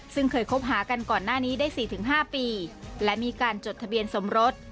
ซึ่งเคยคบหากันก่อนหน้านี้ได้๔๕ปีและมีการจดทะเบียนสมรส